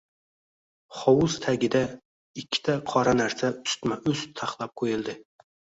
Hovuz tagida... ikkita qora narsa ustma-ust taxlab qo‘yildi.